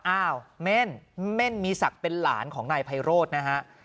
อ้าวเม่นเม่นมีศักดิ์เป็นหลานของนายไพโรธนะฮะ